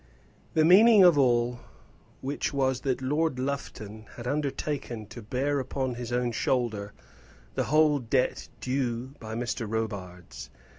The meaning of all which was that Lord Lufton had undertaken to bear upon his own shoulder the whole debt due by Mr. Robarts.